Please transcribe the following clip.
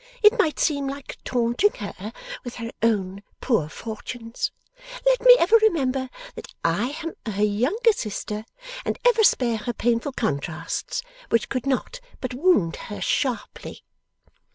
It might seem like taunting her with her own poor fortunes. Let me ever remember that I am her younger sister, and ever spare her painful contrasts, which could not but wound her sharply.